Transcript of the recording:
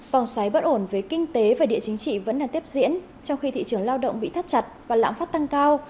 vòng xoáy bất ổn về kinh tế và địa chính trị vẫn đang tiếp diễn trong khi thị trường lao động bị thắt chặt và lạm phát tăng cao